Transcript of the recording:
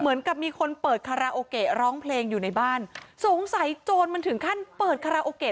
เหมือนกับมีคนเปิดคาราโอเกะร้องเพลงอยู่ในบ้านสงสัยโจรมันถึงขั้นเปิดคาราโอเกะ